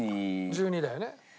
１２だよね。